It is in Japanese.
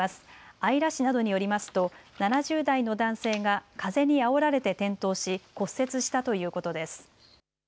姶良市などによりますと７０代の男性が風にあおられて転倒し骨折したということです。